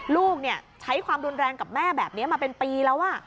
ลูกใช้ความรุนแรงกับแม่แบบนี้มาเป็นปีแล้ว